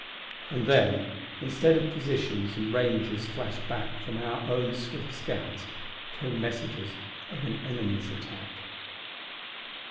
And then, instead of positions and ranges flashed back from our own swift scouts, came messages of the enemy's attack.